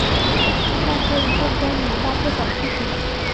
但这一变更引发不少批评。